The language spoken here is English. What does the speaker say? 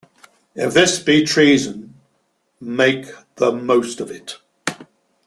If this be treason, make the most of it.